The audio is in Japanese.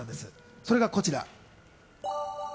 それがこちら。